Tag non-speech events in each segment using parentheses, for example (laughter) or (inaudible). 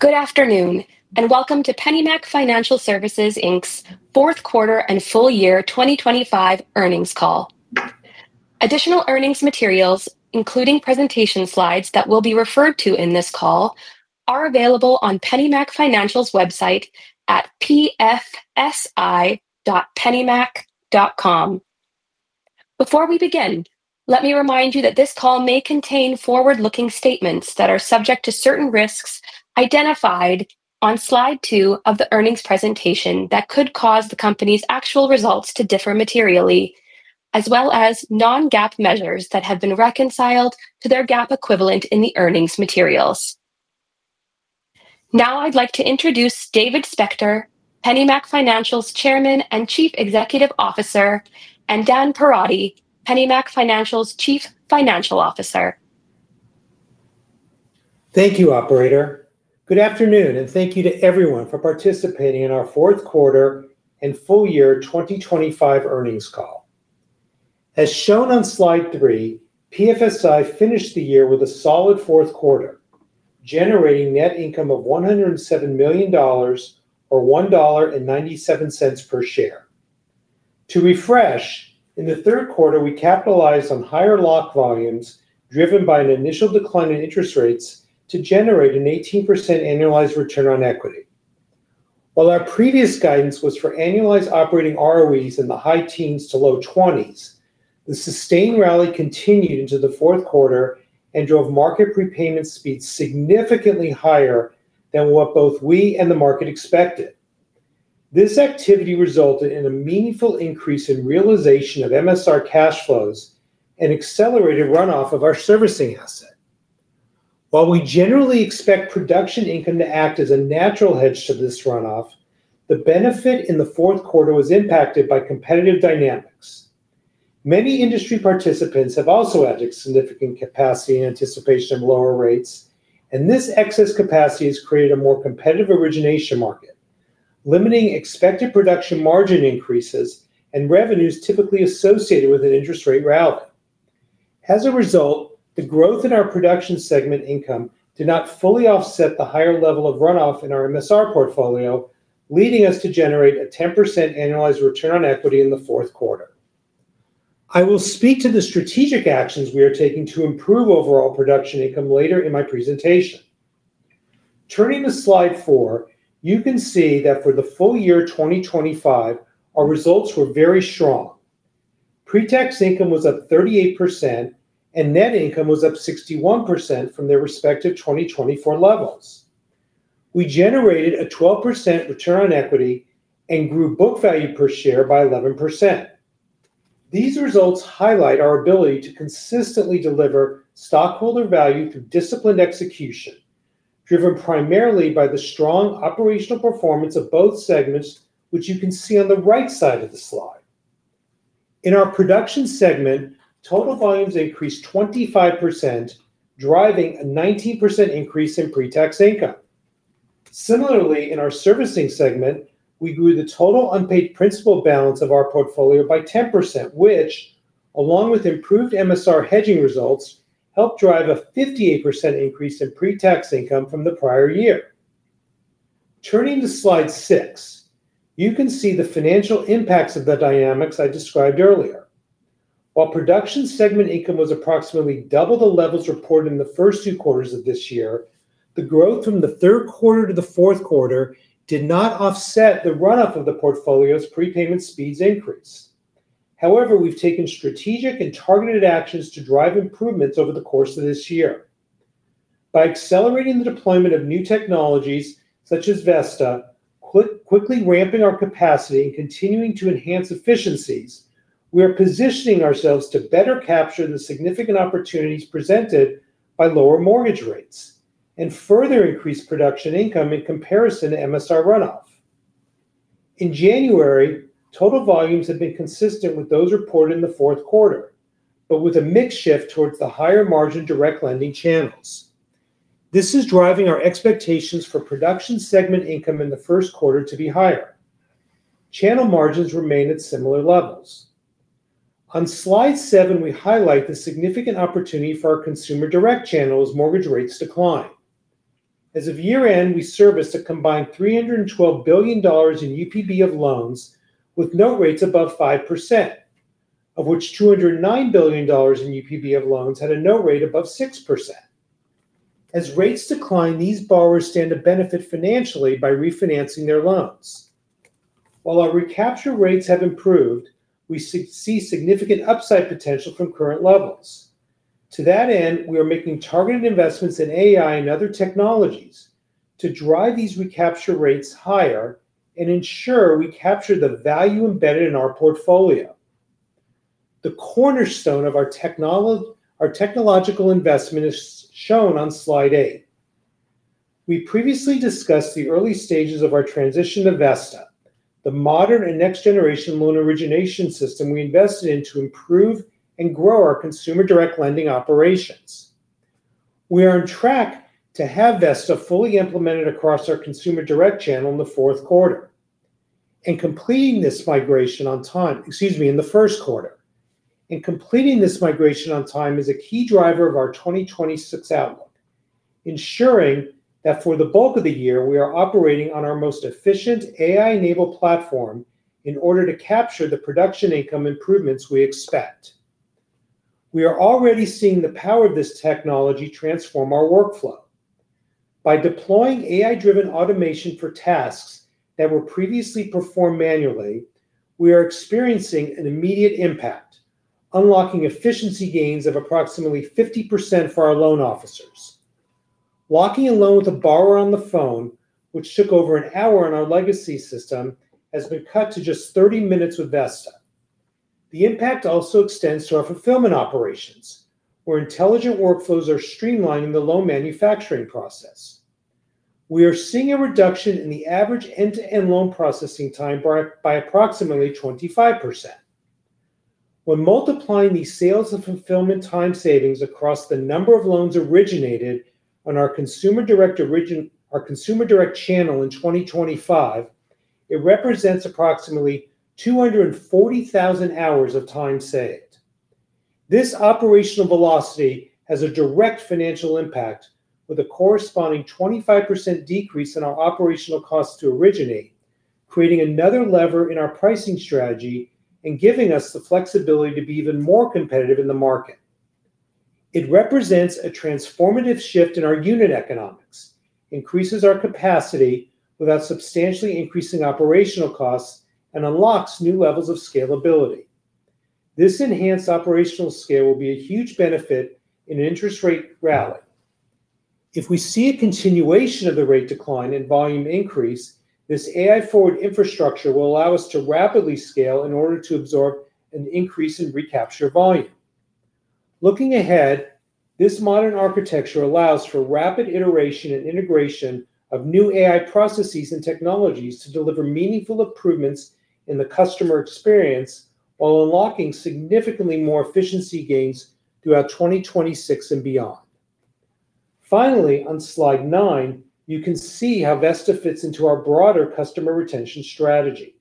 Good afternoon, and welcome to PennyMac Financial Services Inc.'s Fourth Quarter and Full Year 2025 Earnings Call. Additional earnings materials, including presentation slides that will be referred to in this call, are available on PennyMac Financial's website at pfsi.pennymac.com. Before we begin, let me remind you that this call may contain forward-looking statements that are subject to certain risks identified on Slide two of the earnings presentation that could cause the company's actual results to differ materially, as well as non-GAAP measures that have been reconciled to their GAAP equivalent in the earnings materials. Now, I'd like to introduce David Spector, PennyMac Financial's Chairman and Chief Executive Officer, and Dan Perotti, PennyMac Financial's Chief Financial Officer. Thank you, Operator. Good afternoon, and thank you to everyone for participating in our Fourth Quarter and Full Year 2025 Earnings Call. As shown on Slide three, PFSI finished the year with a solid fourth quarter, generating net income of $107 million, or $1.97 per share. To refresh, in the third quarter, we capitalized on higher lock volumes driven by an initial decline in interest rates to generate an 18% annualized return on equity. While our previous guidance was for annualized operating ROEs in the high teens-low 20s, the sustained rally continued into the fourth quarter and drove market prepayment speeds significantly higher than what both we and the market expected. This activity resulted in a meaningful increase in realization of MSR cash flows and accelerated runoff of our servicing asset. While we generally expect production income to act as a natural hedge to this runoff, the benefit in the fourth quarter was impacted by competitive dynamics. Many industry participants have also added significant capacity in anticipation of lower rates, and this excess capacity has created a more competitive origination market, limiting expected production margin increases and revenues typically associated with an interest rate rally. As a result, the growth in our production segment income did not fully offset the higher level of runoff in our MSR portfolio, leading us to generate a 10% annualized return on equity in the fourth quarter. I will speak to the strategic actions we are taking to improve overall production income later in my presentation. Turning to Slide four, you can see that for the full year 2025, our results were very strong. Pretax income was up 38%, and net income was up 61% from their respective 2024 levels. We generated a 12% return on equity and grew book value per share by 11%. These results highlight our ability to consistently deliver stockholder value through disciplined execution, driven primarily by the strong operational performance of both segments, which you can see on the right side of the slide. In our production segment, total volumes increased 25%, driving a 19% increase in pretax income. Similarly, in our servicing segment, we grew the total unpaid principal balance of our portfolio by 10%, which, along with improved MSR hedging results, helped drive a 58% increase in pretax income from the prior year. Turning to Slide six, you can see the financial impacts of the dynamics I described earlier. While production segment income was approximately double the levels reported in the first two quarters of this year, the growth from the third quarter to the fourth quarter did not offset the runoff of the portfolio's prepayment speeds increase. However, we've taken strategic and targeted actions to drive improvements over the course of this year. By accelerating the deployment of new technologies such as Vesta, quickly ramping our capacity, and continuing to enhance efficiencies, we are positioning ourselves to better capture the significant opportunities presented by lower mortgage rates and further increase production income in comparison to MSR runoff. In January, total volumes have been consistent with those reported in the fourth quarter, but with a mixed shift towards the higher margin direct lending channels. This is driving our expectations for production segment income in the first quarter to be higher. Channel margins remain at similar levels. On Slide seven, we highlight the significant opportunity for our consumer direct channel as mortgage rates decline. As of year-end, we serviced a combined $312 billion in UPB of loans with note rates above 5%, of which $209 billion in UPB of loans had a note rate above 6%. As rates decline, these borrowers stand to benefit financially by refinancing their loans. While our recapture rates have improved, we see significant upside potential from current levels. To that end, we are making targeted investments in AI and other technologies to drive these recapture rates higher and ensure we capture the value embedded in our portfolio. The cornerstone of our technological investment is shown on Slide eight. We previously discussed the early stages of our transition to Vesta, the modern and next-generation loan origination system we invested in to improve and grow our consumer direct lending operations. We are on track to have Vesta fully implemented across our consumer direct channel in the fourth quarter. In completing this migration on time, excuse me, in the first quarter. In completing this migration on time is a key driver of our 2026 outlook, ensuring that for the bulk of the year we are operating on our most efficient AI-enabled platform in order to capture the production income improvements we expect. We are already seeing the power of this technology transform our workflow. By deploying AI-driven automation for tasks that were previously performed manually, we are experiencing an immediate impact, unlocking efficiency gains of approximately 50% for our loan officers. Walking a loan with a borrower on the phone, which took over an hour on our legacy system, has been cut to just 30 minutes with Vesta. The impact also extends to our fulfillment operations, where intelligent workflows are streamlining the loan manufacturing process. We are seeing a reduction in the average end-to-end loan processing time by approximately 25%. When multiplying the sales and fulfillment time savings across the number of loans originated on our consumer direct channel in 2025, it represents approximately 240,000 hours of time saved. This operational velocity has a direct financial impact, with a corresponding 25% decrease in our operational costs to originate, creating another lever in our pricing strategy and giving us the flexibility to be even more competitive in the market. It represents a transformative shift in our unit economics, increases our capacity without substantially increasing operational costs, and unlocks new levels of scalability. This enhanced operational scale will be a huge benefit in an interest rate rally. If we see a continuation of the rate decline and volume increase, this AI-forward infrastructure will allow us to rapidly scale in order to absorb an increase in recapture volume. Looking ahead, this modern architecture allows for rapid iteration and integration of new AI processes and technologies to deliver meaningful improvements in the customer experience while unlocking significantly more efficiency gains throughout 2026 and beyond. Finally, on Slide nine, you can see how Vesta fits into our broader customer retention strategy.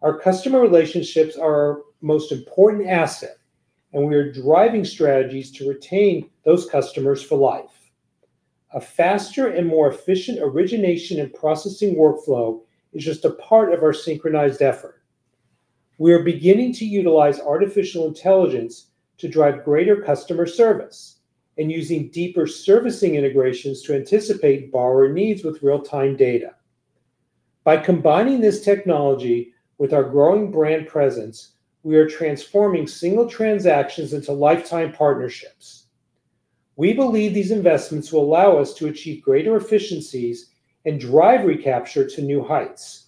Our customer relationships are our most important asset, and we are driving strategies to retain those customers for life. A faster and more efficient origination and processing workflow is just a part of our synchronized effort. We are beginning to utilize artificial intelligence to drive greater customer service and using deeper servicing integrations to anticipate borrower needs with real-time data. By combining this technology with our growing brand presence, we are transforming single transactions into lifetime partnerships. We believe these investments will allow us to achieve greater efficiencies and drive recapture to new heights,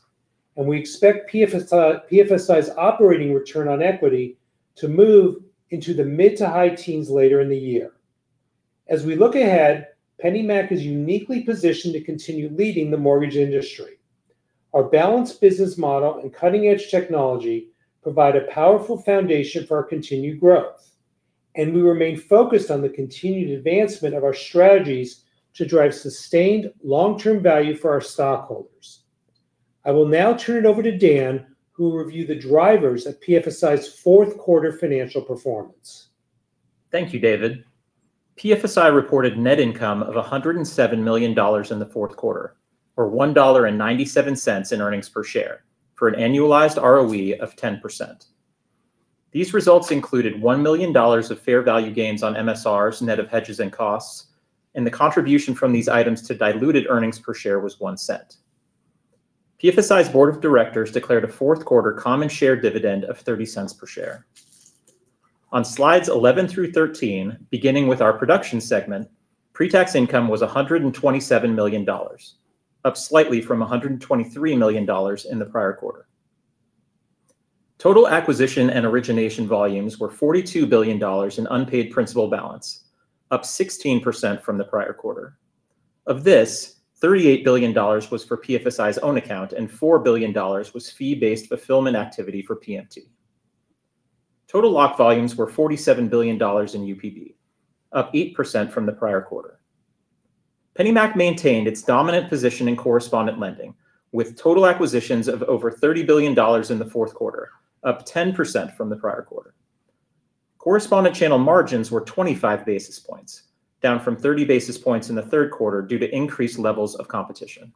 and we expect PFSI's operating return on equity to move into the mid to high teens later in the year. As we look ahead, PennyMac is uniquely positioned to continue leading the mortgage industry. Our balanced business model and cutting-edge technology provide a powerful foundation for our continued growth, and we remain focused on the continued advancement of our strategies to drive sustained long-term value for our stockholders. I will now turn it over to Dan, who will review the drivers of PFSI's fourth quarter financial performance. Thank you, David. PFSI reported net income of $107 million in the fourth quarter, or $1.97 in earnings per share, for an annualized ROE of 10%. These results included $1 million of fair value gains on MSRs, net of hedges and costs, and the contribution from these items to diluted earnings per share was $0.01. PFSI's Board of Directors declared a fourth quarter common share dividend of $0.30 per share. On Slides 11-13, beginning with our production segment, pretax income was $127 million, up slightly from $123 million in the prior quarter. Total acquisition and origination volumes were $42 billion in unpaid principal balance, up 16% from the prior quarter. Of this, $38 billion was for PFSI's own account, and $4 billion was fee-based fulfillment activity for PMT. Total lock volumes were $47 billion in UPB, up 8% from the prior quarter. PennyMac maintained its dominant position in correspondent lending, with total acquisitions of over $30 billion in the fourth quarter, up 10% from the prior quarter. Correspondent channel margins were 25 basis points, down from 30 basis points in the third quarter due to increased levels of competition.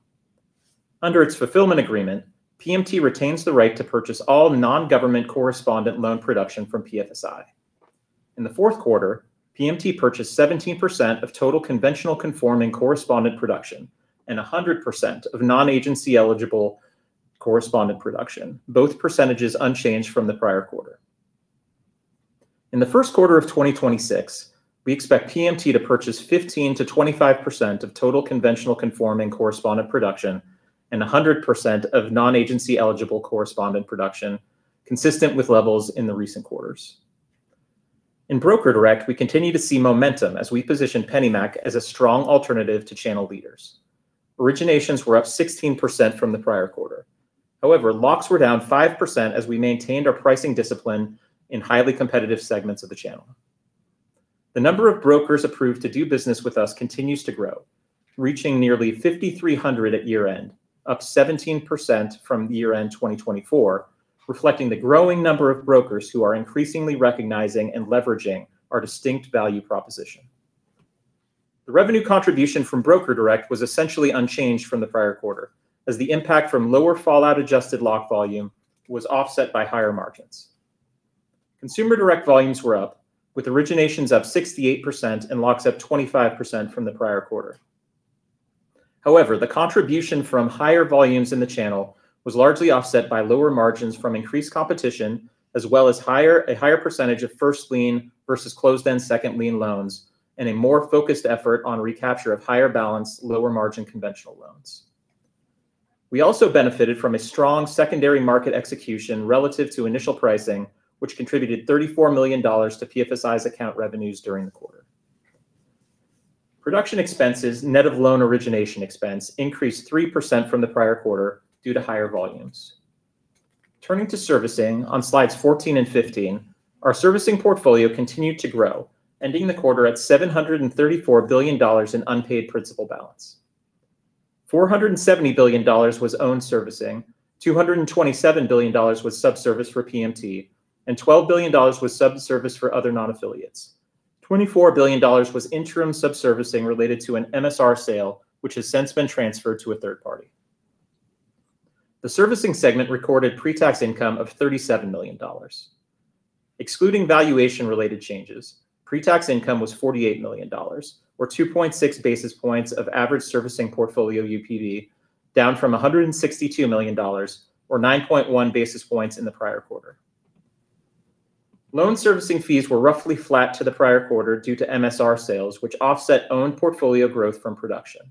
Under its fulfillment agreement, PMT retains the right to purchase all non-government correspondent loan production from PFSI. In the fourth quarter, PMT purchased 17% of total conventional conforming correspondent production and 100% of non-agency eligible correspondent production, both percentages unchanged from the prior quarter. In the first quarter of 2026, we expect PMT to purchase 15%-25% of total conventional conforming correspondent production and 100% of non-agency eligible correspondent production, consistent with levels in the recent quarters. In broker direct, we continue to see momentum as we position PennyMac as a strong alternative to channel leaders. Originations were up 16% from the prior quarter. However, locks were down 5% as we maintained our pricing discipline in highly competitive segments of the channel. The number of brokers approved to do business with us continues to grow, reaching nearly 5,300 at year-end, up 17% from year-end 2024, reflecting the growing number of brokers who are increasingly recognizing and leveraging our distinct value proposition. The revenue contribution from broker direct was essentially unchanged from the prior quarter, as the impact from lower fallout-adjusted lock volume was offset by higher margins. Consumer direct volumes were up, with originations up 68% and locks up 25% from the prior quarter. However, the contribution from higher volumes in the channel was largely offset by lower margins from increased competition, as well as a higher percentage of first lien versus closed-end second lien loans and a more focused effort on recapture of higher balance, lower margin conventional loans. We also benefited from a strong secondary market execution relative to initial pricing, which contributed $34 million to PFSI's account revenues during the quarter. Production expenses, net of loan origination expense, increased 3% from the prior quarter due to higher volumes. Turning to servicing, on Slides 14 and 15, our servicing portfolio continued to grow, ending the quarter at $734 billion in unpaid principal balance. $470 billion was owned servicing, $227 billion was subserviced for PMT, and $12 billion was subserviced for other non-affiliates. $24 billion was interim subservicing related to an MSR sale, which has since been transferred to a third party. The servicing segment recorded pretax income of $37 million. Excluding valuation-related changes, pretax income was $48 million, or 2.6 basis points of average servicing portfolio UPB, down from $162 million, or 9.1 basis points in the prior quarter. Loan servicing fees were roughly flat to the prior quarter due to MSR sales, which offset owned portfolio growth from production.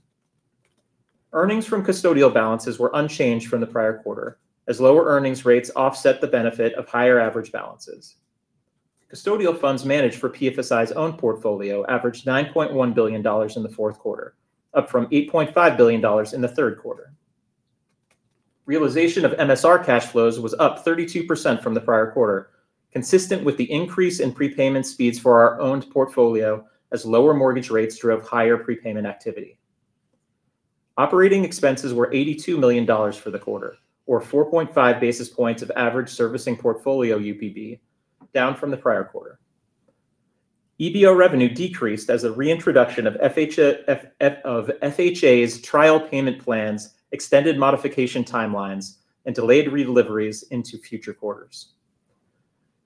Earnings from custodial balances were unchanged from the prior quarter, as lower earnings rates offset the benefit of higher average balances. Custodial funds managed for PFSI's own portfolio averaged $9.1 billion in the fourth quarter, up from $8.5 billion in the third quarter. Realization of MSR cash flows was up 32% from the prior quarter, consistent with the increase in prepayment speeds for our owned portfolio as lower mortgage rates drove higher prepayment activity. Operating expenses were $82 million for the quarter, or 4.5 basis points of average servicing portfolio UPB, down from the prior quarter. EBO revenue decreased as the reintroduction of FHA's trial payment plans, extended modification timelines, and delayed redeliveries into future quarters.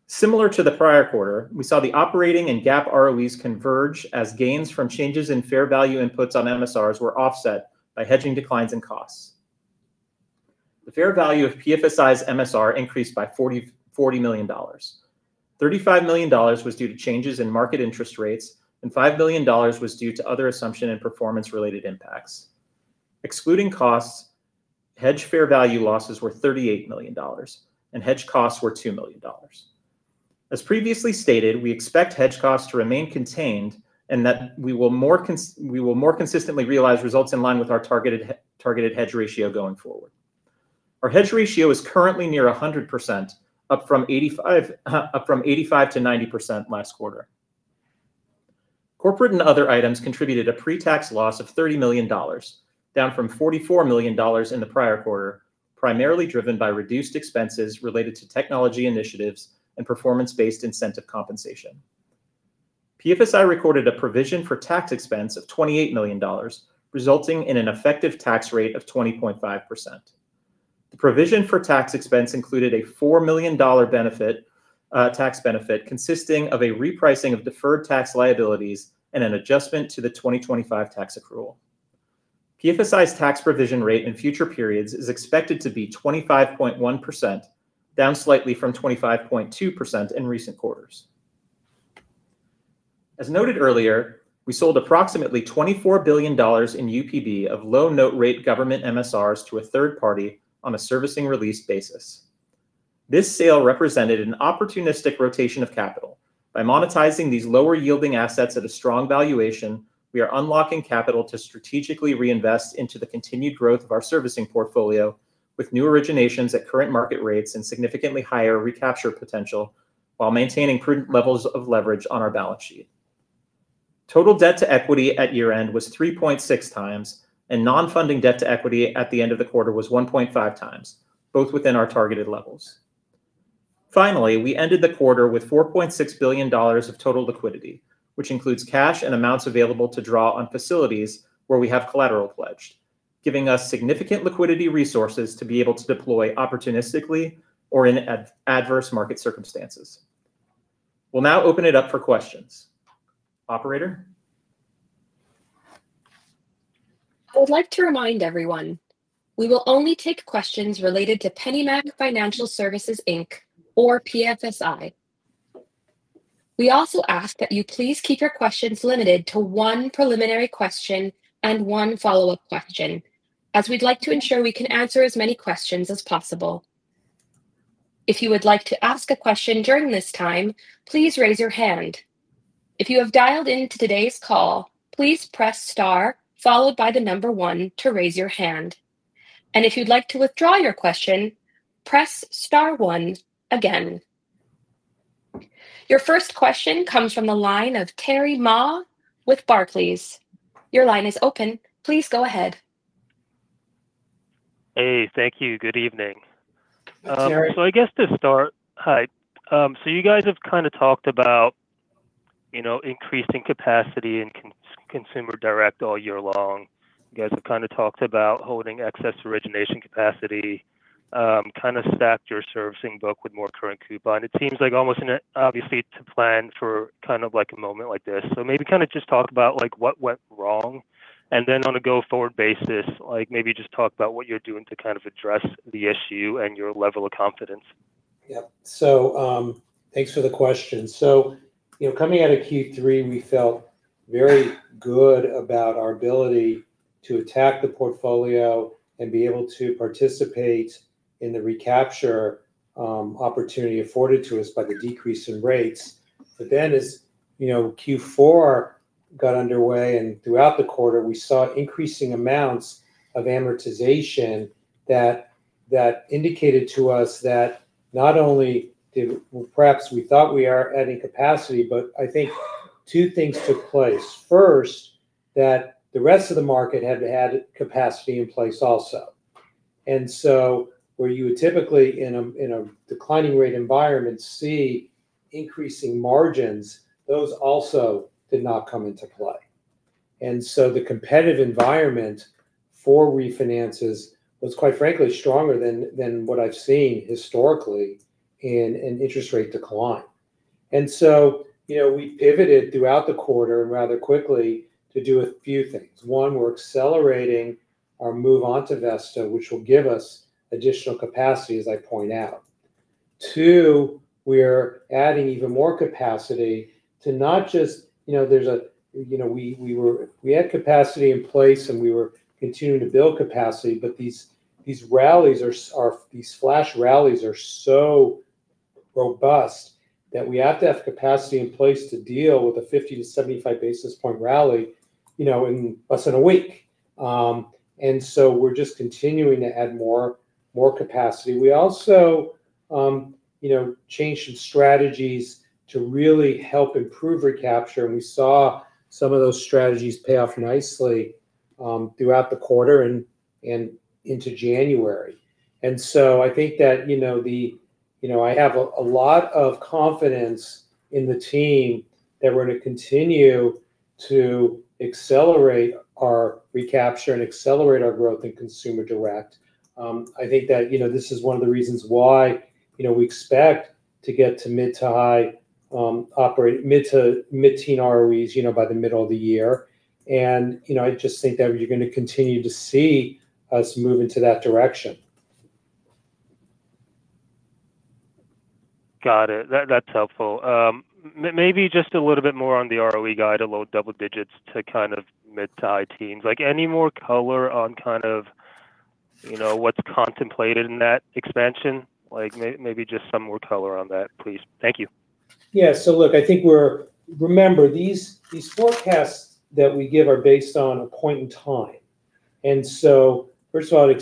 Similar to the prior quarter, we saw the operating and gap ROEs converge as gains from changes in fair value inputs on MSRs were offset by hedging declines in costs. The fair value of PFSI's MSR increased by $40 million. $35 million was due to changes in market interest rates, and $5 million was due to other assumption and performance-related impacts. Excluding costs, hedge fair value losses were $38 million, and hedge costs were $2 million. As previously stated, we expect hedge costs to remain contained and that we will more consistently realize results in line with our targeted hedge ratio going forward. Our hedge ratio is currently near 100%, up from 85%-90% last quarter. Corporate and other items contributed a pre-tax loss of $30 million, down from $44 million in the prior quarter, primarily driven by reduced expenses related to technology initiatives and performance-based incentive compensation. PFSI recorded a provision for tax expense of $28 million, resulting in an effective tax rate of 20.5%. The provision for tax expense included a $4 million tax benefit, consisting of a repricing of deferred tax liabilities and an adjustment to the 2025 tax accrual. PFSI's tax provision rate in future periods is expected to be 25.1%, down slightly from 25.2% in recent quarters. As noted earlier, we sold approximately $24 billion in UPB of low note-rate government MSRs to a third party on a servicing release basis. This sale represented an opportunistic rotation of capital. By monetizing these lower-yielding assets at a strong valuation, we are unlocking capital to strategically reinvest into the continued growth of our servicing portfolio, with new originations at current market rates and significantly higher recapture potential, while maintaining prudent levels of leverage on our balance sheet. Total debt to equity at year-end was 3.6x, and non-funding debt-to-equity at the end of the quarter was 1.5x, both within our targeted levels. Finally, we ended the quarter with $4.6 billion of total liquidity, which includes cash and amounts available to draw on facilities where we have collateral pledged, giving us significant liquidity resources to be able to deploy opportunistically or in adverse market circumstances. We'll now open it up for questions. Operator? I would like to remind everyone, we will only take questions related to PennyMac Financial Services, Inc., or PFSI. We also ask that you please keep your questions limited to one preliminary question and one follow-up question, as we'd like to ensure we can answer as many questions as possible. If you would like to ask a question during this time, please raise your hand. If you have dialed into today's call, please press star, followed by the number one to raise your hand. And if you'd like to withdraw your question, press star one again. Your first question comes from the line of Terry Ma with Barclays. Your line is open. Please go ahead. Hey, thank you. Good evening. Hey, Terry. So, I guess to start, you guys have kind of talked about increasing capacity in consumer direct all year long. You guys have kind of talked about holding excess origination capacity, kind of stacked your servicing book with more current coupon. It seems like almost obviously to plan for kind of a moment like this. So maybe kind of just talk about what went wrong. And then on a go-forward basis, maybe just talk about what you're doing to kind of address the issue and your level of confidence. Yep. So thanks for the question. So coming out of Q3, we felt very good about our ability to attack the portfolio and be able to participate in the recapture opportunity afforded to us by the decrease in rates. But then as Q4 got underway and throughout the quarter, we saw increasing amounts of amortization that indicated to us that not only did perhaps we thought we are adding capacity, but I think two things took place. First, that the rest of the market had had capacity in place also. And so where you would typically in a declining rate environment see increasing margins, those also did not come into play. And so the competitive environment for refinances was, quite frankly, stronger than what I've seen historically in an interest rate decline. And so we pivoted throughout the quarter and rather quickly to do a few things. One, we're accelerating our move on to Vesta, which will give us additional capacity, as I point out. Two, we're adding even more capacity to not just there's a we had capacity in place and we were continuing to build capacity, but these rallies, these flash rallies are so robust that we have to have capacity in place to deal with a 50-75 basis point rally in less than a week. And so we're just continuing to add more capacity. We also changed some strategies to really help improve recapture, and we saw some of those strategies pay off nicely throughout the quarter and into January. And so I think that I have a lot of confidence in the team that we're going to continue to accelerate our recapture and accelerate our growth in consumer direct. I think that this is one of the reasons why we expect to get to mid- to high mid-teen ROEs by the middle of the year. And I just think that you're going to continue to see us move into that direction. Got it. That's helpful. Maybe just a little bit more on the ROE guide, a little double digits to kind of mid- to high teens. Any more color on kind of what's contemplated in that expansion? Maybe just some more color on that, please. Thank you. Yeah. So look, I think, remember, these forecasts that we give are based on a point in time. And so first of all, we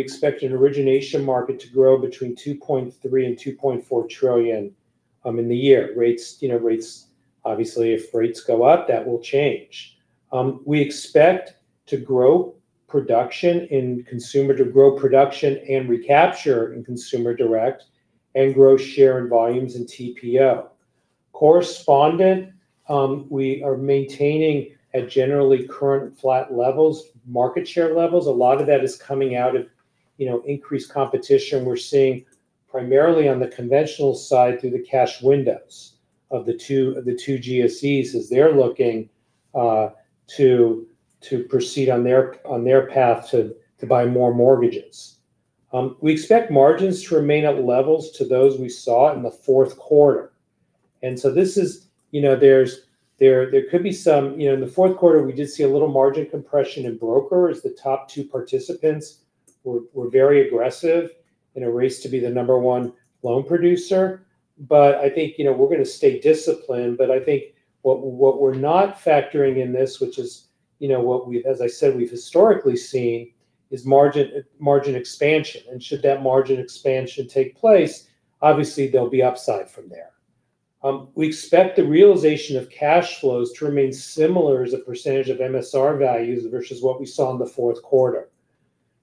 expect an origination market to grow between $2.3 trillion-$2.4 trillion in the year. Rates, obviously, if rates go up, that will change. We expect to grow production in consumer direct to grow production and recapture in consumer direct and grow share and volumes in TPO. Correspondent, we are maintaining at generally current flat levels, market share levels. A lot of that is coming out of increased competition we're seeing primarily on the conventional side through the cash windows of the two GSEs as they're looking to proceed on their path to buy more mortgages. We expect margins to remain at levels to those we saw in the fourth quarter. And so this is, there could be some; in the fourth quarter, we did see a little margin compression in brokers as the top two participants were very aggressive in a race to be the number one loan producer. But I think we're going to stay disciplined. But I think what we're not factoring in this, which is what we've, as I said, we've historically seen, is margin expansion. And should that margin expansion take place, obviously, there'll be upside from there. We expect the realization of cash flows to remain similar as a percentage of MSR values versus what we saw in the fourth quarter.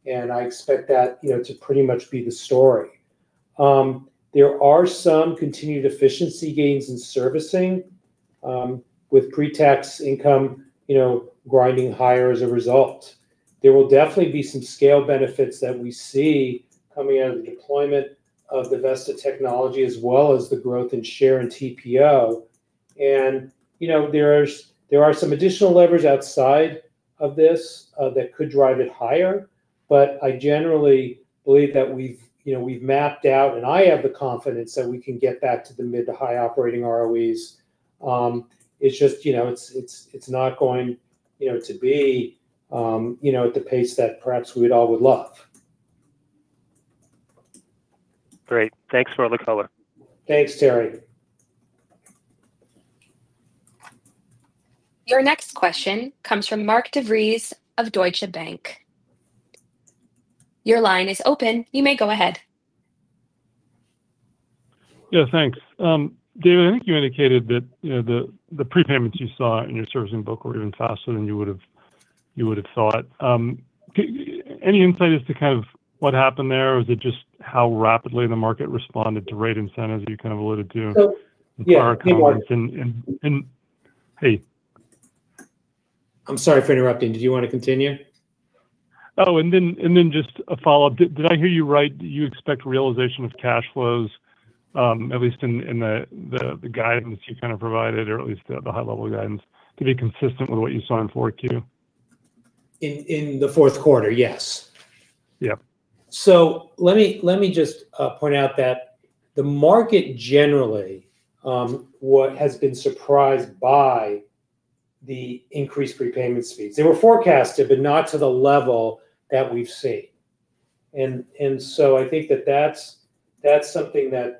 And I expect that to pretty much be the story. There are some continued efficiency gains in servicing with pretax income grinding higher as a result. There will definitely be some scale benefits that we see coming out of the deployment of the Vesta technology, as well as the growth in share and TPO. And there are some additional levers outside of this that could drive it higher. But I generally believe that we've mapped out, and I have the confidence that we can get back to the mid- to high-operating ROEs. It's just it's not going to be at the pace that perhaps we'd all would love. Great. Thanks, Robert. Color. Thanks, Terry. Your next question comes from Mark DeVries of Deutsche Bank. Your line is open. You may go ahead. Yeah, thanks. David, I think you indicated that the prepayments you saw in your servicing book were even faster than you would have thought. Any insight as to kind of what happened there, or is it just how rapidly the market responded to rate incentives you kind of alluded to? (crosstalk) So yeah, hey. I'm sorry for interrupting. Did you want to continue? Oh, and then just a follow-up. Did I hear you right? You expect realization of cash flows, at least in the guidance you kind of provided, or at least the high-level guidance, to be consistent with what you saw in 4Q? In the fourth quarter, yes. Yep. So let me just point out that the market generally has been surprised by the increased prepayment speeds. They were forecasted, but not to the level that we've seen. And so I think that that's something that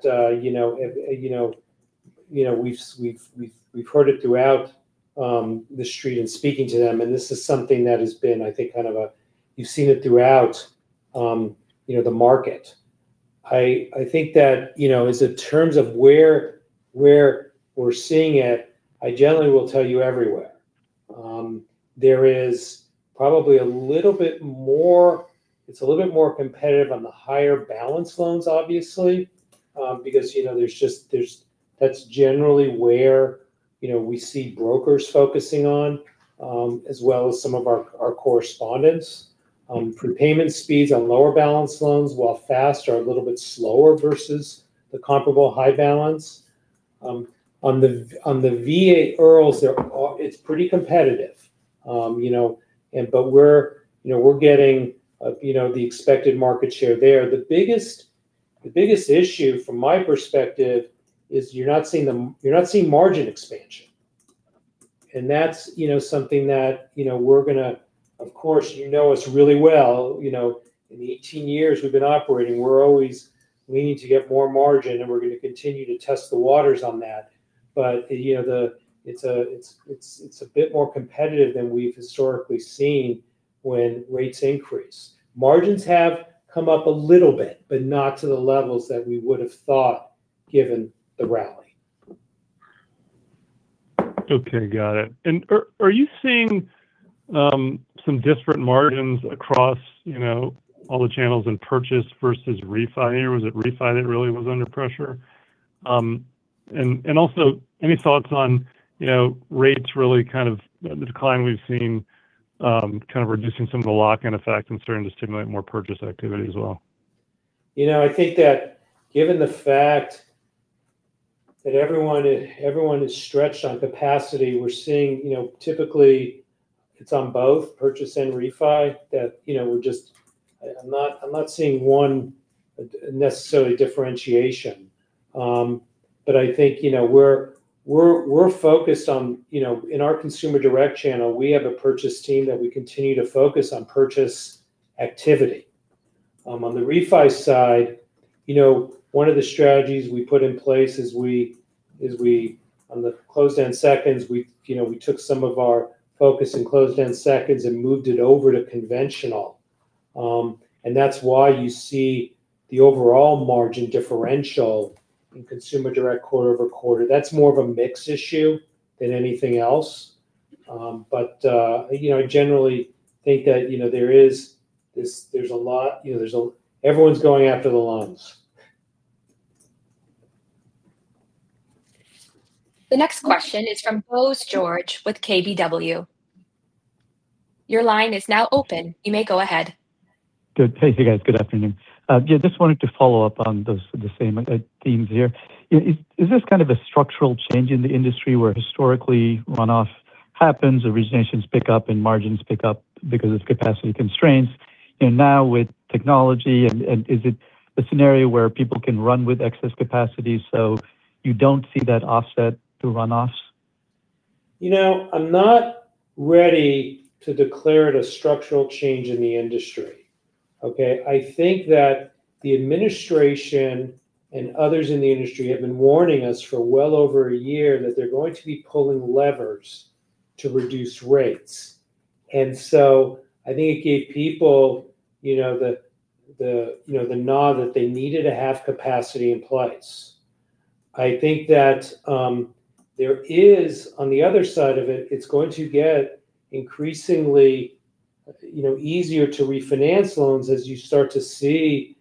we've heard it throughout the street and speaking to them. And this is something that has been, I think, kind of a you've seen it throughout the market. I think that in terms of where we're seeing it, I generally will tell you everywhere. There is probably a little bit more it's a little bit more competitive on the higher balance loans, obviously, because there's just that's generally where we see brokers focusing on, as well as some of our correspondents. Prepayment speeds on lower balance loans, while fast, are a little bit slower versus the comparable high balance. On the VA IRRRLs, it's pretty competitive. But we're getting the expected market share there. The biggest issue, from my perspective, is you're not seeing margin expansion. And that's something that we're going to, of course, you know us really well. In 18 years we've been operating, we're always leaning to get more margin, and we're going to continue to test the waters on that. But it's a bit more competitive than we've historically seen when rates increase. Margins have come up a little bit, but not to the levels that we would have thought given the rally. Okay, got it. And are you seeing some disparate margins across all the channels in purchase versus refi? Or was it refi that really was under pressure? And also, any thoughts on rates really kind of the decline we've seen kind of reducing some of the lock-in effect and starting to stimulate more purchase activity as well? I think that given the fact that everyone is stretched on capacity, we're seeing typically it's on both purchase and refi that I'm not seeing one necessarily differentiation. But I think we're focused on in our consumer direct channel, we have a purchase team that we continue to focus on purchase activity. On the refi side, one of the strategies we put in place is we on the closed-end seconds, we took some of our focus in closed-end seconds and moved it over to conventional. And that's why you see the overall margin differential in consumer direct quarter-over-quarter. That's more of a mix issue than anything else. But I generally think that there's a lot, everyone's going after the loans. The next question is from Bose George with KBW. Your line is now open. You may go ahead. Good. Hey, you guys. Good afternoon. Yeah, just wanted to follow up on the same themes here. Is this kind of a structural change in the industry where historically runoff happens, originations pick up and margins pick up because of capacity constraints? And now with technology, is it a scenario where people can run with excess capacity so you don't see that offset through runoffs? I'm not ready to declare it a structural change in the industry. Okay? I think that the administration and others in the industry have been warning us for well over a year that they're going to be pulling levers to reduce rates. And so I think it gave people the nod that they needed to have capacity in place. I think that there is on the other side of it, it's going to get increasingly easier to refinance loans as you start to see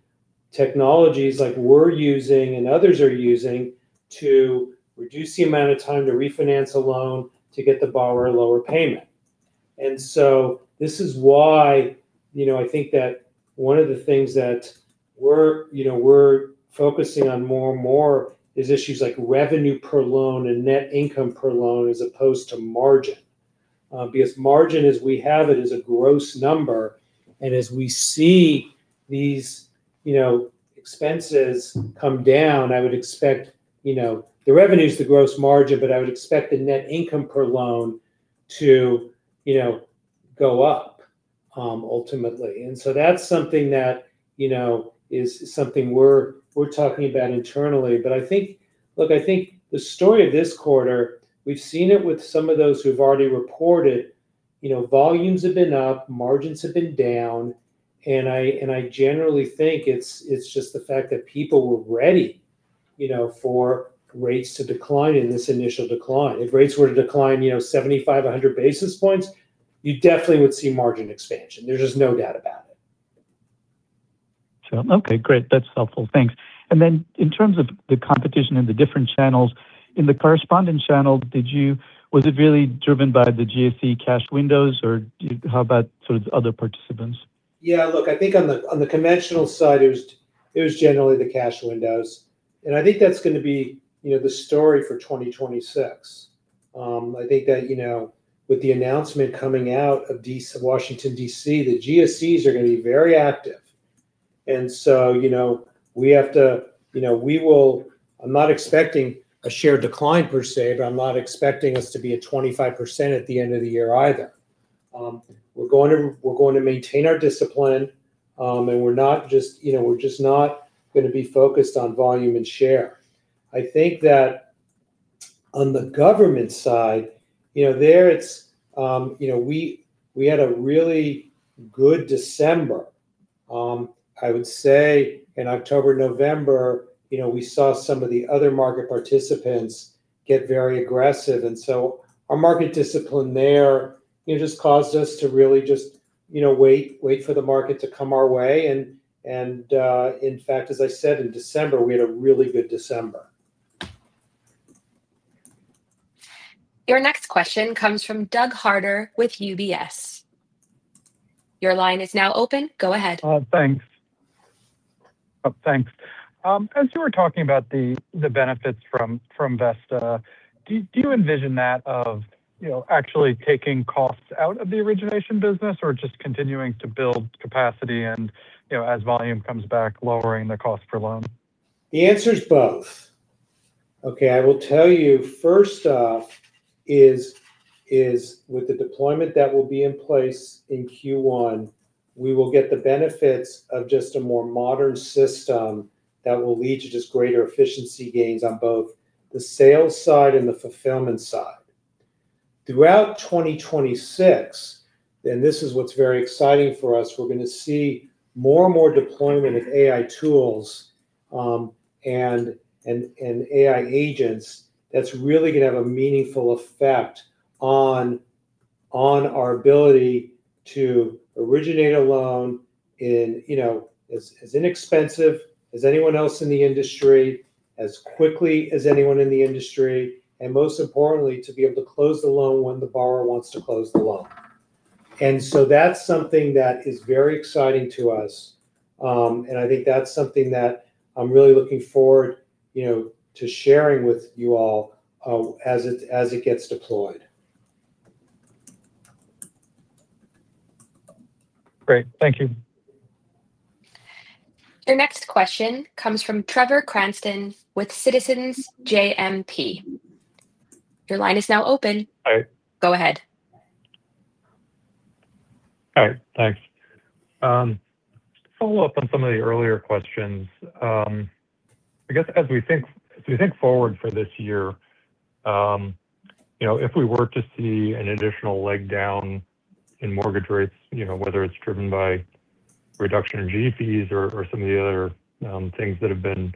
technologies like we're using and others are using to reduce the amount of time to refinance a loan to get the borrower a lower payment. And so this is why I think that one of the things that we're focusing on more and more is issues like revenue per loan and net income per loan as opposed to margin. Because margin, as we have it, is a gross number. And as we see these expenses come down, I would expect the revenue is the gross margin, but I would expect the net income per loan to go up ultimately. And so that's something that is something we're talking about internally. But I think, look, I think the story of this quarter, we've seen it with some of those who've already reported volumes have been up, margins have been down. And I generally think it's just the fact that people were ready for rates to decline in this initial decline. If rates were to decline 7,500 basis points, you definitely would see margin expansion. There's just no doubt about it. Sure. Okay, great. That's helpful. Thanks. And then in terms of the competition in the different channels, in the correspondent channel, was it really driven by the GSE cash windows, or how about sort of other participants? Yeah, look, I think on the conventional side, it was generally the cash windows. And I think that's going to be the story for 2026. I think that with the announcement coming out of Washington, D.C., the GSEs are going to be very active. And so we have to we will. I'm not expecting a share decline per se, but I'm not expecting us to be at 25% at the end of the year either. We're going to maintain our discipline, and we're not just we're just not going to be focused on volume and share. I think that on the government side, there it's we had a really good December. I would say in October, November, we saw some of the other market participants get very aggressive. And so our market discipline there just caused us to really just wait for the market to come our way. In fact, as I said, in December, we had a really good December. Your next question comes from Doug Harter with UBS. Your line is now open. Go ahead. Thanks. Thanks. As you were talking about the benefits from Vesta, do you envision that of actually taking costs out of the origination business or just continuing to build capacity and, as volume comes back, lowering the cost per loan? The answer is both. Okay, I will tell you, first off, is with the deployment that will be in place in Q1, we will get the benefits of just a more modern system that will lead to just greater efficiency gains on both the sales side and the fulfillment side. Throughout 2026, and this is what's very exciting for us, we're going to see more and more deployment of AI tools and AI agents that's really going to have a meaningful effect on our ability to originate a loan as inexpensive as anyone else in the industry, as quickly as anyone in the industry, and most importantly, to be able to close the loan when the borrower wants to close the loan. And so that's something that is very exciting to us. I think that's something that I'm really looking forward to sharing with you all as it gets deployed. Great. Thank you. Your next question comes from Trevor Cranston with Citizens JMP. Your line is now open. Hi. Go ahead. All right. Thanks. Follow-up on some of the earlier questions. I guess as we think forward for this year, if we were to see an additional leg down in mortgage rates, whether it's driven by reduction in G-fees or some of the other things that have been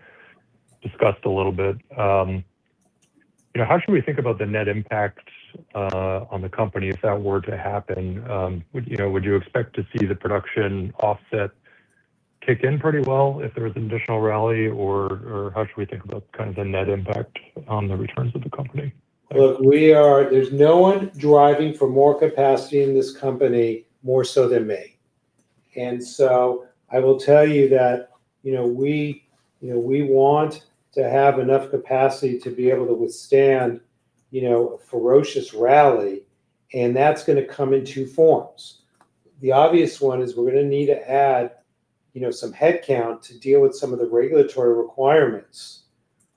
discussed a little bit, how should we think about the net impact on the company if that were to happen? Would you expect to see the production offset kick in pretty well if there was an additional rally? Or how should we think about kind of the net impact on the returns of the company? Look, there's no one driving for more capacity in this company more so than me. And so I will tell you that we want to have enough capacity to be able to withstand a ferocious rally. And that's going to come in two forms. The obvious one is we're going to need to add some headcount to deal with some of the regulatory requirements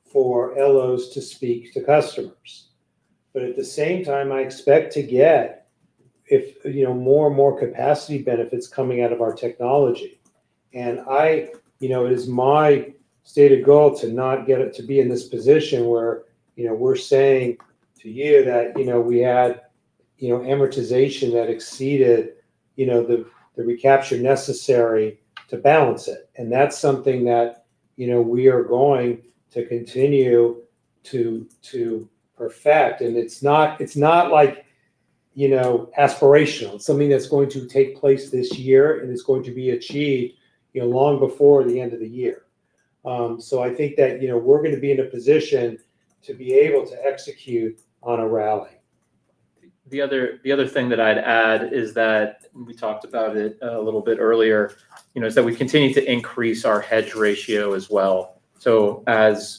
for LOs to speak to customers. But at the same time, I expect to get more and more capacity benefits coming out of our technology. And it is my stated goal to not get it to be in this position where we're saying to you that we had amortization that exceeded the recapture necessary to balance it. And that's something that we are going to continue to perfect. And it's not like aspirational. It's something that's going to take place this year, and it's going to be achieved long before the end of the year. So I think that we're going to be in a position to be able to execute on a rally. The other thing that I'd add is that we talked about it a little bit earlier, is that we continue to increase our hedge ratio as well. So as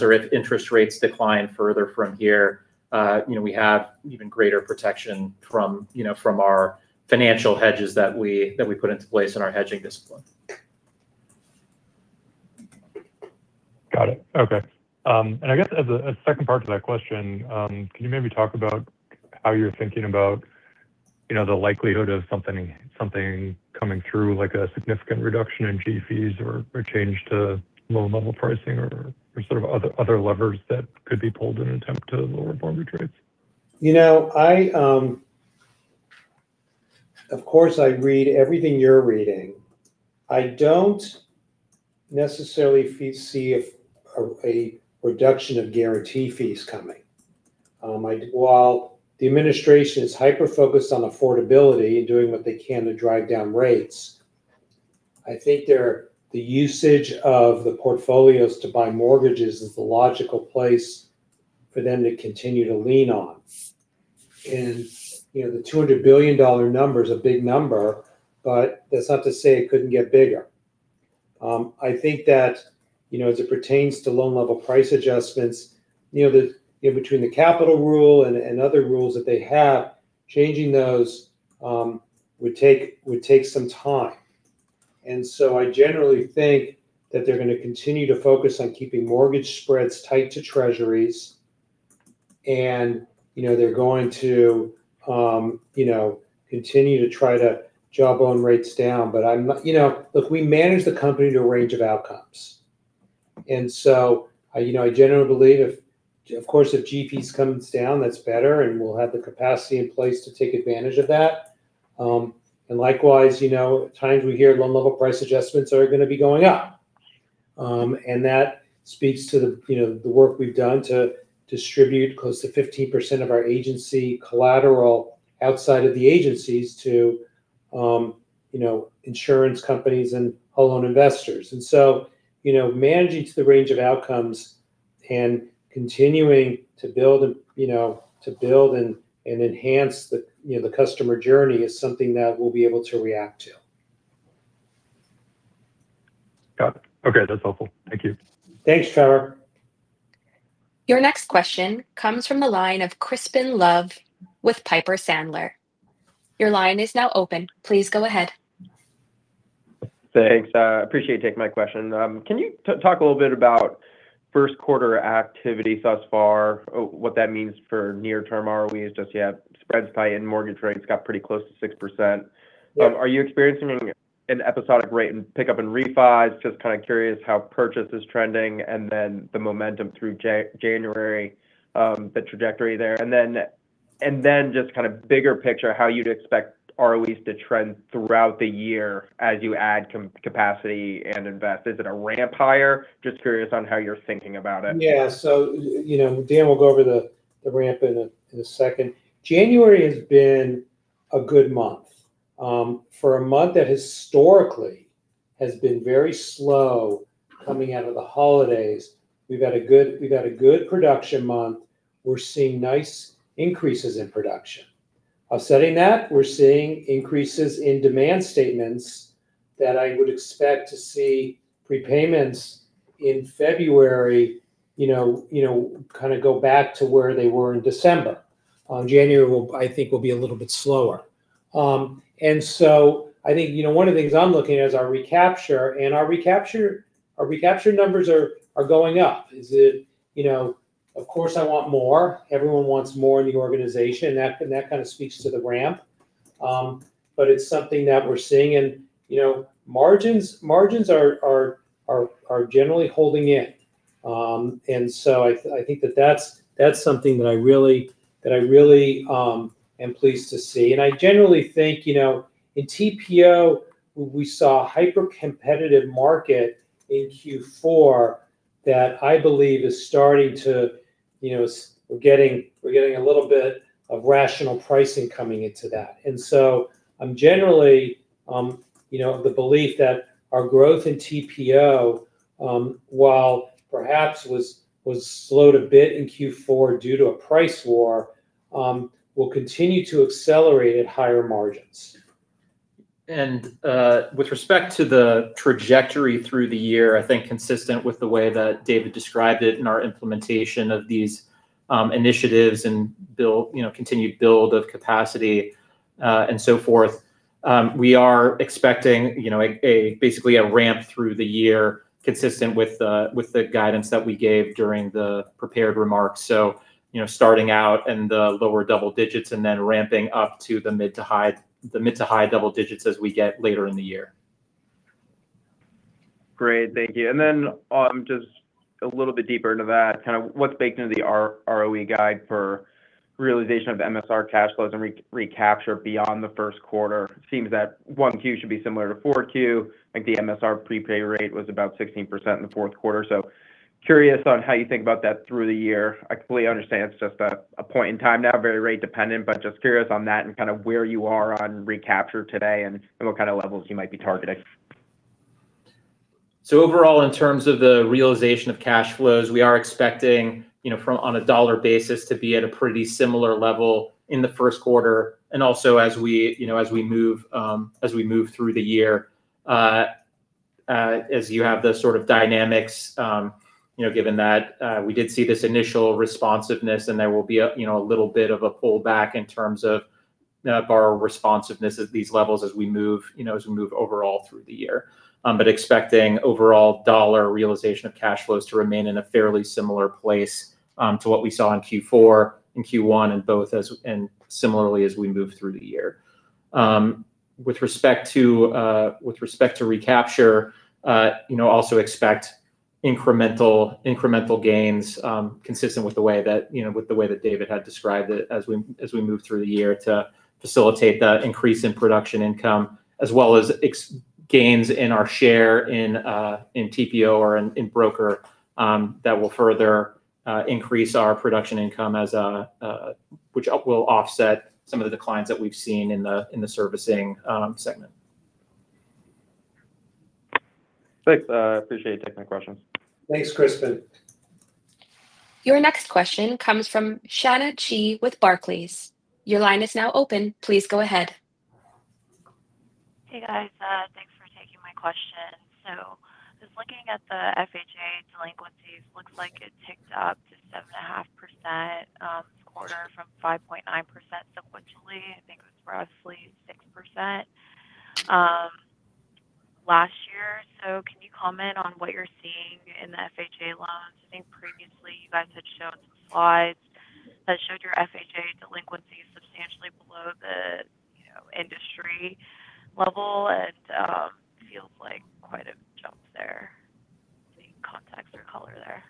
or if interest rates decline further from here, we have even greater protection from our financial hedges that we put into place in our hedging discipline. Got it. Okay. And I guess as a second part to that question, can you maybe talk about how you're thinking about the likelihood of something coming through, like a significant reduction in G-fees or a change to loan-level pricing or sort of other levers that could be pulled in an attempt to lower mortgage rates? Of course, I read everything you're reading. I don't necessarily see a reduction of guarantee fees coming. While the administration is hyper-focused on affordability and doing what they can to drive down rates, I think the usage of the portfolios to buy mortgages is the logical place for them to continue to lean on. And the $200 billion number is a big number, but that's not to say it couldn't get bigger. I think that as it pertains to loan-level price adjustments, between the capital rule and other rules that they have, changing those would take some time. And so I generally think that they're going to continue to focus on keeping mortgage spreads tight to treasuries, and they're going to continue to try to jawbone rates down. But look, we manage the company to a range of outcomes. And so I generally believe, of course, if G-fees come down, that's better, and we'll have the capacity in place to take advantage of that. And likewise, at times we hear loan-level price adjustments are going to be going up. And that speaks to the work we've done to distribute close to 15% of our agency collateral outside of the agencies to insurance companies and home loan investors. And so managing to the range of outcomes and continuing to build and enhance the customer journey is something that we'll be able to react to. Got it. Okay. That's helpful. Thank you. Thanks, Trevor. Your next question comes from the line of Crispin Love with Piper Sandler. Your line is now open. Please go ahead. Thanks. Appreciate you taking my question. Can you talk a little bit about first-quarter activity thus far, what that means for near-term ROEs? Just yet, spreads tight in mortgage rates got pretty close to 6%. Are you experiencing an episodic rate pickup in refis? Just kind of curious how purchase is trending and then the momentum through January, the trajectory there. And then just kind of bigger picture, how you'd expect ROEs to trend throughout the year as you add capacity and invest. Is it a ramp higher? Just curious on how you're thinking about it. Yeah. So Dan will go over the ramp in a second. January has been a good month. For a month that historically has been very slow coming out of the holidays, we've had a good production month. We're seeing nice increases in production. Offsetting that, we're seeing increases in demand statements that I would expect to see prepayments in February kind of go back to where they were in December. On January, I think will be a little bit slower. And so I think one of the things I'm looking at is our recapture. And our recapture numbers are going up. Of course, I want more. Everyone wants more in the organization. And that kind of speaks to the ramp. But it's something that we're seeing. And margins are generally holding in. And so I think that that's something that I really am pleased to see. I generally think in TPO, we saw a hyper-competitive market in Q4 that I believe is starting to. We're getting a little bit of rational pricing coming into that. So I'm generally of the belief that our growth in TPO, while perhaps was slowed a bit in Q4 due to a price war, will continue to accelerate at higher margins. With respect to the trajectory through the year, I think consistent with the way that David described it in our implementation of these initiatives and continued build of capacity and so forth, we are expecting basically a ramp through the year consistent with the guidance that we gave during the prepared remarks. Starting out in the lower double digits and then ramping up to the mid to high double digits as we get later in the year. Great. Thank you. And then just a little bit deeper into that, kind of what's baked into the ROE guide for realization of MSR cash flows and recapture beyond the first quarter? It seems that 1Q should be similar to 4Q. I think the MSR prepay rate was about 16% in the fourth quarter. So, curious on how you think about that through the year. I completely understand it's just a point in time now, very rate-dependent, but just curious on that and kind of where you are on recapture today and what kind of levels you might be targeting. So overall, in terms of the realization of cash flows, we are expecting on a dollar basis to be at a pretty similar level in the first quarter. And also as we move through the year, as you have the sort of dynamics, given that we did see this initial responsiveness, and there will be a little bit of a pullback in terms of our responsiveness at these levels as we move overall through the year. But expecting overall dollar realization of cash flows to remain in a fairly similar place to what we saw in Q4, in Q1, and similarly as we move through the year. With respect to recapture, also expect incremental gains consistent with the way that David had described it as we move through the year to facilitate the increase in production income, as well as gains in our share in TPO or in broker that will further increase our production income, which will offset some of the declines that we've seen in the servicing segment. Thanks. Appreciate your technical questions. Thanks, Crispin. Your next question comes from Shanna Chee with Barclays. Your line is now open. Please go ahead. Hey, guys. Thanks for taking my question. So I was looking at the FHA delinquencies. Looks like it ticked up to 7.5% this quarter from 5.9% sequentially. I think it was roughly 6% last year. So can you comment on what you're seeing in the FHA loans? I think previously you guys had shown some slides that showed your FHA delinquency substantially below the industry level. And it feels like quite a jump there. Any context or color there?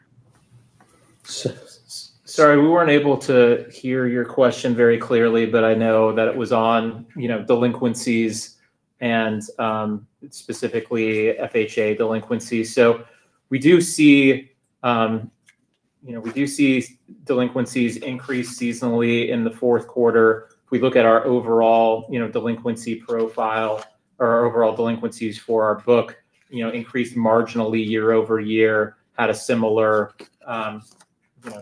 Sorry, we weren't able to hear your question very clearly, but I know that it was on delinquencies and specifically FHA delinquencies. So we do see we do see delinquencies increase seasonally in the fourth quarter. If we look at our overall delinquency profile or our overall delinquencies for our book, increased marginally year-over-year, had a similar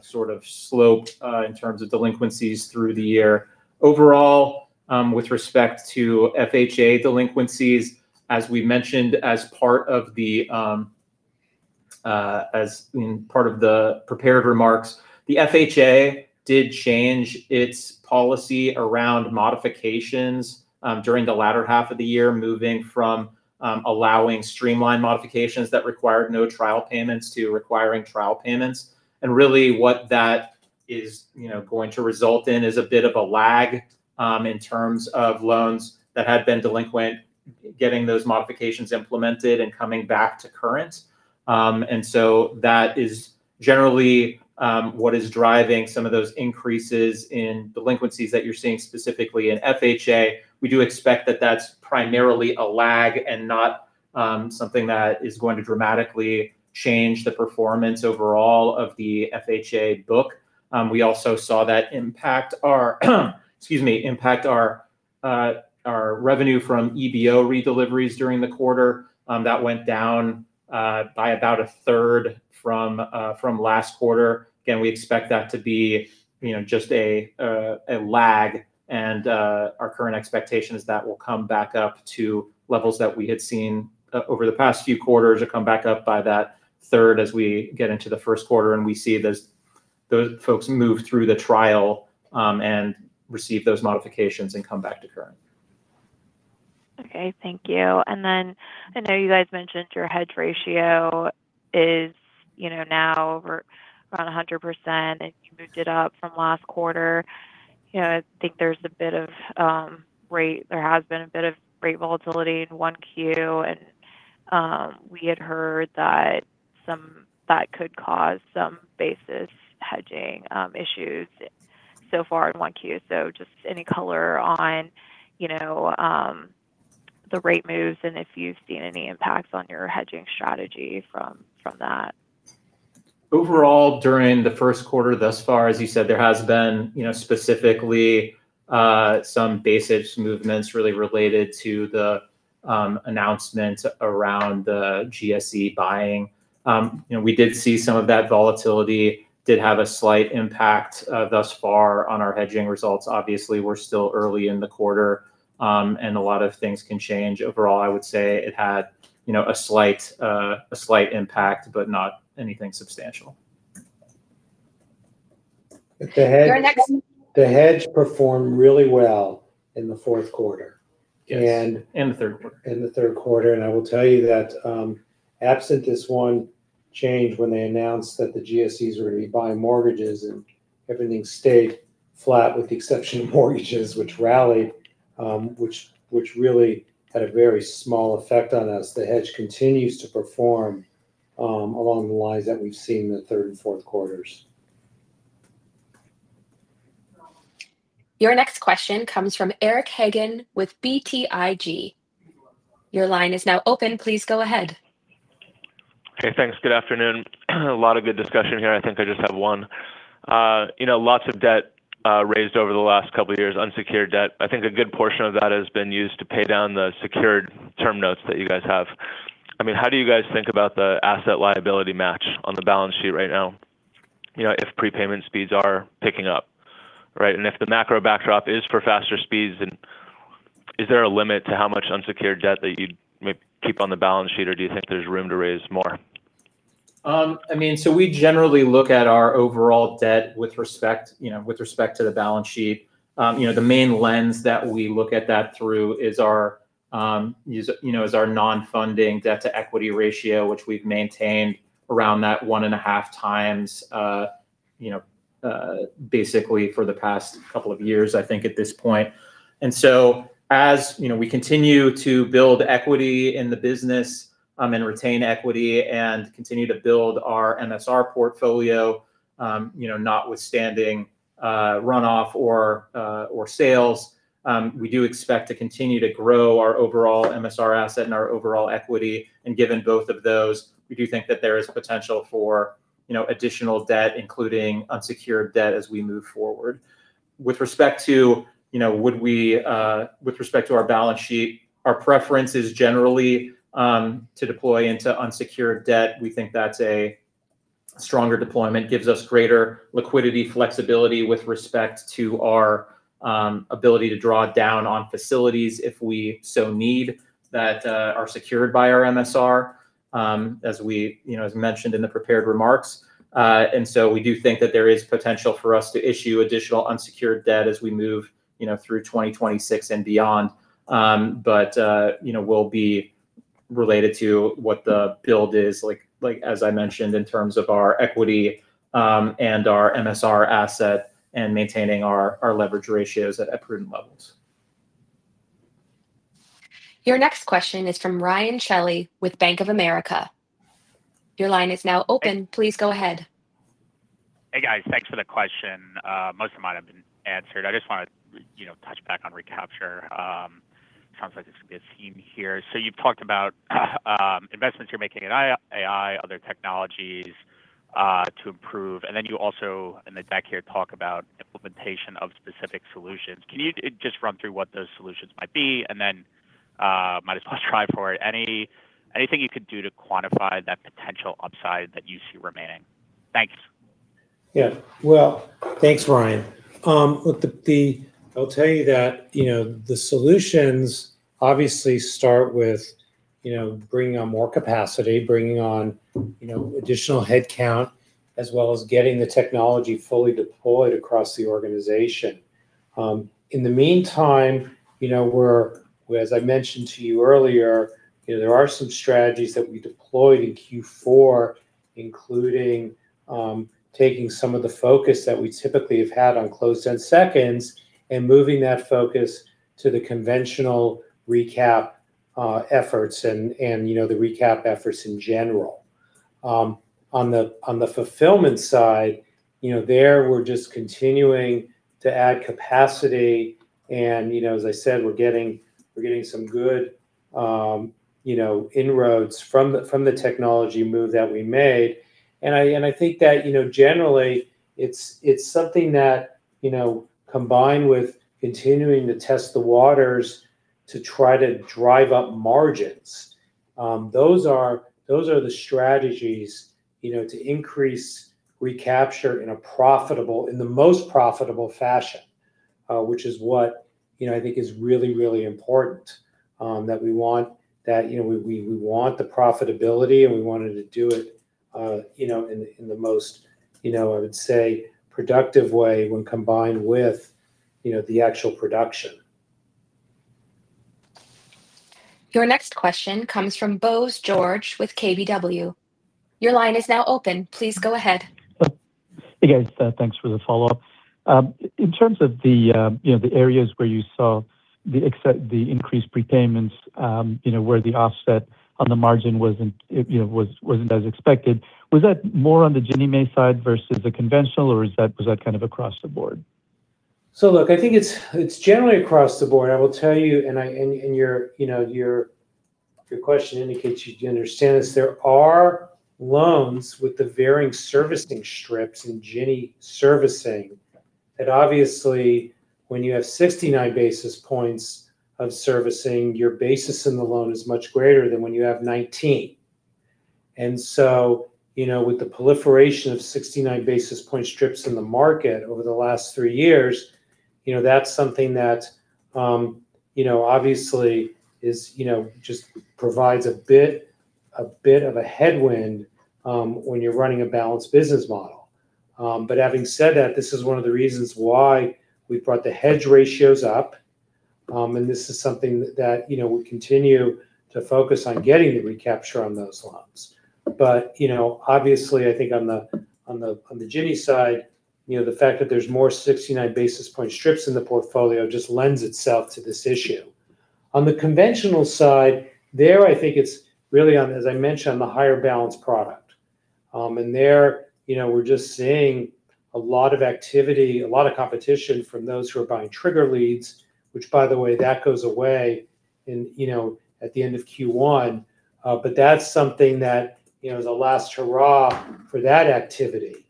sort of slope in terms of delinquencies through the year. Overall, with respect to FHA delinquencies, as we mentioned as part of the prepared remarks, the FHA did change its policy around modifications during the latter half of the year, moving from allowing streamlined modifications that required no trial payments to requiring trial payments. Really what that is going to result in is a bit of a lag in terms of loans that had been delinquent getting those modifications implemented and coming back to current. And so that is generally what is driving some of those increases in delinquencies that you're seeing specifically in FHA. We do expect that that's primarily a lag and not something that is going to dramatically change the performance overall of the FHA book. We also saw that impact our excuse me, impact our revenue from EBO redeliveries during the quarter. That went down by about a third from last quarter. Again, we expect that to be just a lag. And our current expectation is that will come back up to levels that we had seen over the past few quarters or come back up by that third as we get into the first quarter and we see those folks move through the trial and receive those modifications and come back to current. Okay. Thank you. And then I know you guys mentioned your hedge ratio is now around 100%, and you moved it up from last quarter. I think there has been a bit of rate volatility in 1Q, and we had heard that that could cause some basis hedging issues so far in 1Q. So just any color on the rate moves and if you've seen any impacts on your hedging strategy from that. Overall, during the first quarter thus far, as you said, there has been specifically some basis movements really related to the announcements around the GSE buying. We did see some of that volatility did have a slight impact thus far on our hedging results. Obviously, we're still early in the quarter, and a lot of things can change. Overall, I would say it had a slight impact, but not anything substantial. The hedge performed really well in the fourth quarter. Yes. And the third quarter. The third quarter. I will tell you that, absent this one change when they announced that the GSEs were going to be buying mortgages and everything stayed flat with the exception of mortgages, which rallied, which really had a very small effect on us, the hedge continues to perform along the lines that we've seen in the third and fourth quarters. Your next question comes from Eric Hagen with BTIG. Your line is now open. Please go ahead. Okay. Thanks. Good afternoon. A lot of good discussion here. I think I just have one. Lots of debt raised over the last couple of years, unsecured debt. I think a good portion of that has been used to pay down the secured term notes that you guys have. I mean, how do you guys think about the asset liability match on the balance sheet right now if prepayment speeds are picking up, right? And if the macro backdrop is for faster speeds, is there a limit to how much unsecured debt that you keep on the balance sheet, or do you think there's room to raise more? I mean, so we generally look at our overall debt with respect to the balance sheet. The main lens that we look at that through is our non-funding debt-to-equity ratio, which we've maintained around 1.5x basically for the past couple of years, I think, at this point. And so as we continue to build equity in the business and retain equity and continue to build our MSR portfolio, notwithstanding runoff or sales, we do expect to continue to grow our overall MSR asset and our overall equity. And given both of those, we do think that there is potential for additional debt, including unsecured debt, as we move forward. With respect to our balance sheet, our preference is generally to deploy into unsecured debt. We think that's a stronger deployment, gives us greater liquidity, flexibility with respect to our ability to draw down on facilities if we so need that are secured by our MSR, as mentioned in the prepared remarks. And so we do think that there is potential for us to issue additional unsecured debt as we move through 2026 and beyond, but will be related to what the build is, as I mentioned, in terms of our equity and our MSR asset and maintaining our leverage ratios at prudent levels. Your next question is from Ryan Shelley with Bank of America. Your line is now open. Please go ahead. Hey, guys. Thanks for the question. Most of mine have been answered. I just want to touch back on recapture. Sounds like it's going to be a theme here. So you've talked about investments you're making in AI, other technologies to improve. And then you also, in the back here, talk about implementation of specific solutions. Can you just run through what those solutions might be? And then might as well try for it. Anything you could do to quantify that potential upside that you see remaining? Thanks. Yeah. Well, thanks, Ryan. Look, I'll tell you that the solutions obviously start with bringing on more capacity, bringing on additional headcount, as well as getting the technology fully deployed across the organization. In the meantime, as I mentioned to you earlier, there are some strategies that we deployed in Q4, including taking some of the focus that we typically have had on closed-end seconds and moving that focus to the conventional recap efforts and the recap efforts in general. On the fulfillment side, there, we're just continuing to add capacity. And as I said, we're getting some good inroads from the technology move that we made. I think that generally, it's something that, combined with continuing to test the waters to try to drive up margins, those are the strategies to increase recapture in a profitable, in the most profitable fashion, which is what I think is really, really important that we want that we want the profitability, and we wanted to do it in the most, I would say, productive way when combined with the actual production. Your next question comes from Bose George with KBW. Your line is now open. Please go ahead. Hey, guys. Thanks for the follow-up. In terms of the areas where you saw the increased prepayments where the offset on the margin wasn't as expected, was that more on the Ginnie Mae side versus the conventional, or was that kind of across the board? So look, I think it's generally across the board. I will tell you, and your question indicates you understand this. There are loans with the varying servicing strips in Ginnie servicing that obviously, when you have 69 basis points of servicing, your basis in the loan is much greater than when you have 19. And so with the proliferation of 69 basis point strips in the market over the last 3 years, that's something that obviously just provides a bit of a headwind when you're running a balanced business model. But having said that, this is one of the reasons why we brought the hedge ratios up. And this is something that we continue to focus on getting the recapture on those loans. But obviously, I think on the Ginnie side, the fact that there's more 69 basis point strips in the portfolio just lends itself to this issue. On the conventional side, there, I think it's really, as I mentioned, on the higher balance product. And there we're just seeing a lot of activity, a lot of competition from those who are buying trigger leads, which, by the way, that goes away at the end of Q1. But that's something that is a last hurrah for that activity.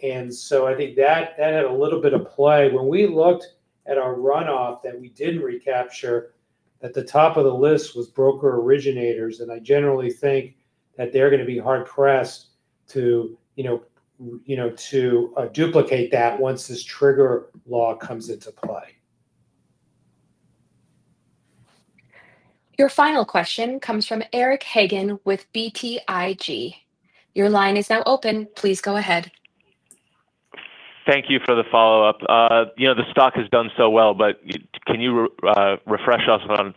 And so I think that had a little bit of play. When we looked at our runoff that we didn't recapture, at the top of the list was broker originators. And I generally think that they're going to be hard-pressed to duplicate that once this trigger law comes into play. Your final question comes from Eric Hagen with BTIG. Your line is now open. Please go ahead. Thank you for the follow-up. The stock has done so well, but can you refresh us on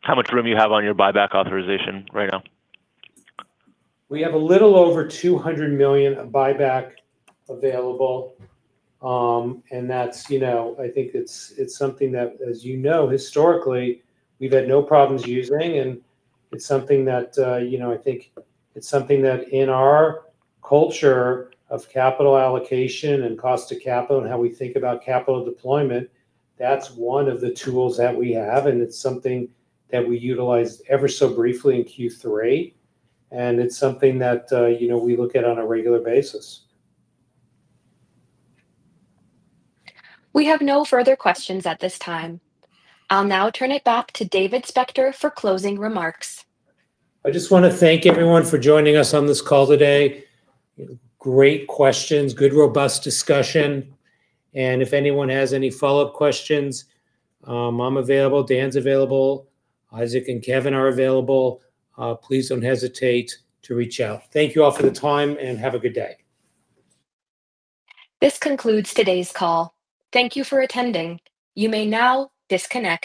how much room you have on your buyback authorization right now? We have a little over $200 million of buyback available. And I think it's something that, as you know, historically, we've had no problems using. And it's something that I think in our culture of capital allocation and cost of capital and how we think about capital deployment, that's one of the tools that we have. And it's something that we utilized ever so briefly in Q3. And it's something that we look at on a regular basis. We have no further questions at this time. I'll now turn it back to David Spector for closing remarks. I just want to thank everyone for joining us on this call today. Great questions, good robust discussion. If anyone has any follow-up questions, I'm available, Dan's available, Isaac and Kevin are available. Please don't hesitate to reach out. Thank you all for the time and have a good day. This concludes today's call. Thank you for attending. You may now disconnect.